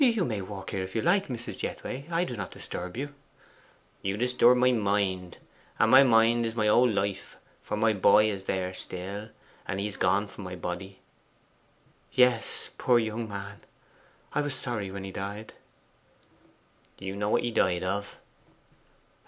'You may walk here if you like, Mrs. Jethway. I do not disturb you.' 'You disturb my mind, and my mind is my whole life; for my boy is there still, and he is gone from my body.' 'Yes, poor young man. I was sorry when he died.' 'Do you know what he died of?